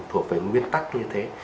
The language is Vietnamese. thuộc về nguyên tắc như thế